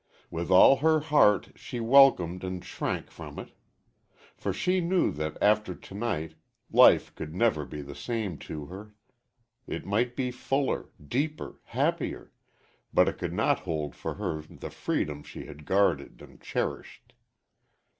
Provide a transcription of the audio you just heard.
With all her heart she welcomed and shrank from it. For she knew that after to night life could never be the same to her. It might be fuller, deeper, happier, but it could not hold for her the freedom she had guarded and cherished.